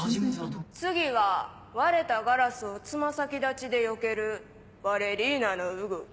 次は割れたガラスを爪先立ちでよけるバレリーナの動き。